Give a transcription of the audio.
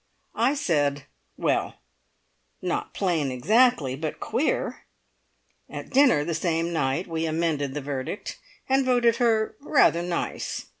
I said, "Well, not plain exactly, but queer!" At dinner the same night, we amended the verdict, and voted her "rather nice".